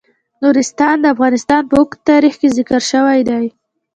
نورستان د افغانستان په اوږده تاریخ کې ذکر شوی دی.